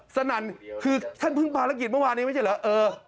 สนั่นคือท่านเพิ่งภารกิจเมื่อวานนี้ไม่ใช่เหรอเออ